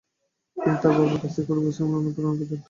তিনি তার বাবার কাছ থেকে কঠোর পরিশ্রম করার অনুপ্রেরণা পেতেন।